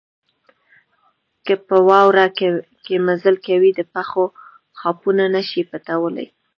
که په واوره کې مزل کوئ د پښو خاپونه نه شئ پټولای.